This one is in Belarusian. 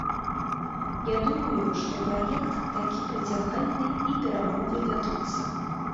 Я думаю, што праект такі прыцягальны і перамовы вядуцца.